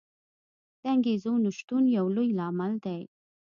د انګېزو نه شتون یو لوی لامل دی.